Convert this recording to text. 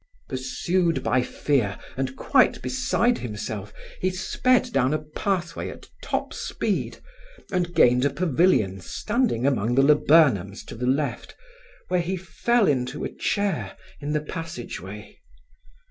Pursued by fear and quite beside himself, he sped down a pathway at top speed and gained a pavillion standing among the laburnums to the left, where he fell into a chair, in the passage way.